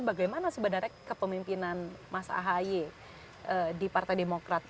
bagaimana sebenarnya kepemimpinan mas ahaye di partai demokrat